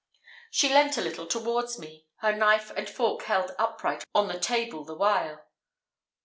She leant a little towards me, her knife and fork held upright on the table the while.